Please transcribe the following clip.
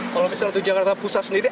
kalau misalnya untuk jakarta pusat sendiri